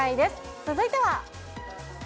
続いては。